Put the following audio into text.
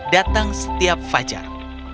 datang setiap fajar